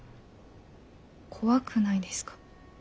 怖くないですか？